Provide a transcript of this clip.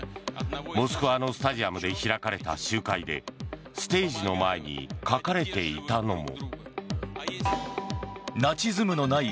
モスクワのスタジアムで開かれた集会でステージの前に書かれていたのも。